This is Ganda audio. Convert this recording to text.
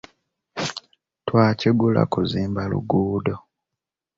Twakigula kuzimba luguudo.